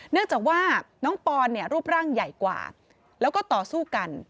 เนื่องจากว่าน้องปอนเนี่ยรูปร่างใหญ่กว่าแล้วก็ต่อสู้กัน